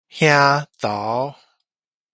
顯頭